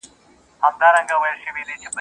تاریخ د ملتونو هویت څرګندوي